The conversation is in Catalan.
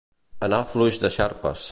Anar fluix de xarpes.